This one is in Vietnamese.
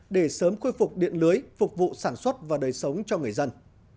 để sớm khôi phục điện lưới phục vụ sản xuất và đời sống cho người dân